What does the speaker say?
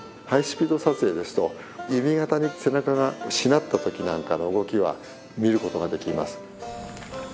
ハイスピード撮影ですと弓形に背中がしなった時なんかの動きは見ることができます。